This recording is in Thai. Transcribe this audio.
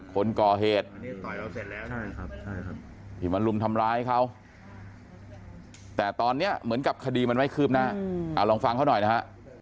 คนก่อเหตุที่มาลุมทำร้ายเขาแต่ตอนนี้เหมือนกับคดีมันไม่คืบหน้าเอาลองฟังเขาหน่อยนะฮะ